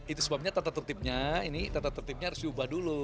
itu sebabnya tata tertibnya ini tata tertibnya harus diubah dulu